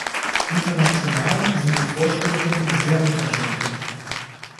International sind die Vorschriften sehr unterschiedlich.